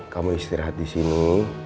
kamu istirahat disini